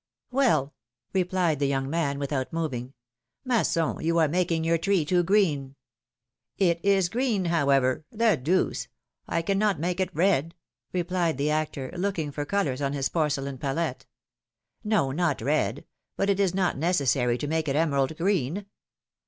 ^^Well?^^ replied the young man, without moving. Masson, you are making your tree too green !" ^^It is green, however — the deuce! I cannot make it red ! replied the actor, looking for colors on his porcelain palette. ^^No, not red — but it is not necessary to make it emerald green."